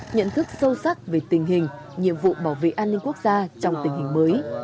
nhận thức sâu sắc về tình hình nhiệm vụ bảo vệ an ninh quốc gia trong tình hình mới